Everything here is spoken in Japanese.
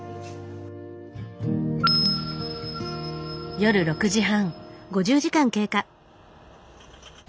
夜６時半。